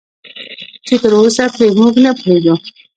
چې تراوسه پرې موږ نه پوهېدو